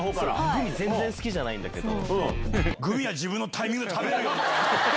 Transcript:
グミ全然好きじゃないんだけど。